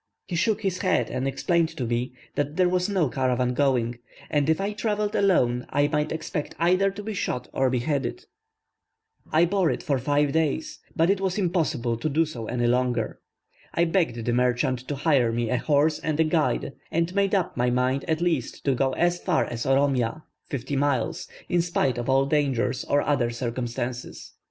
He shook his head and explained to me, that there was no caravan going, and that if I travelled alone I might expect either to be shot or beheaded. I bore it for five days, but it was impossible to do so any longer. I begged the merchant to hire me a horse and a guide, and made up my mind at least to go as far as Oromia, fifty miles, in spite of all dangers or other circumstances.